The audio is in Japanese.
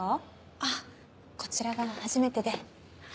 あこちらが初めてで。